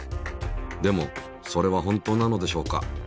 でもそれは本当なのでしょうか。